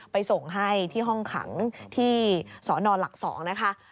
ไปส่งให้ที่ห้องขังที่สนหลัก๒นะคะ